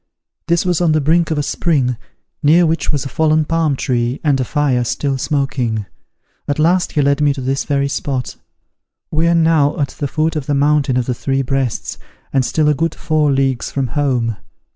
This was on the brink of a spring, near which was a fallen palm tree, and a fire, still smoking. At last he led me to this very spot. We are now at the foot of the mountain of the Three Breasts, and still a good four leagues from home.